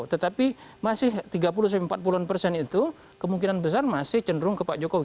tetapi masih tiga puluh empat puluh an persen itu kemungkinan besar masih cenderung ke pak jokowi